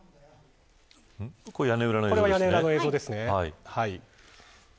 これは屋根裏の映像です。